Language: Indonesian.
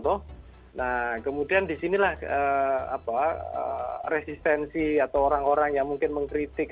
nah kemudian disinilah resistensi atau orang orang yang mungkin mengkritik